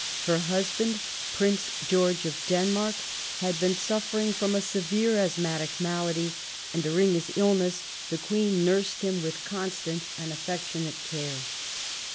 Her husband^ Prince G^rge of Don marky had been suffering from a severe asthmatic malady, and during his illness the Queen nursed him with constant and affectionate care.